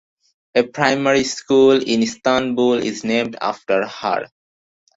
A primary school in Istanbul is named after her.